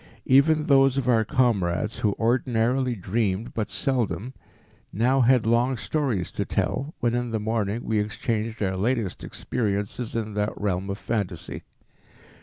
Even those of our comrades who ordinarily dreamed but seldom, now had long stories to tell, when in the morning we exchanged our latest experiences in that realm of phantasy.